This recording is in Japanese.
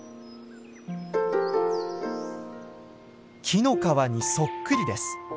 木の皮にそっくりです。